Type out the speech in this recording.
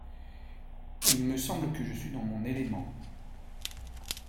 Il me semble que je suis dans mon élément.